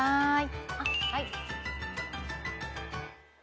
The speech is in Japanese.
はい。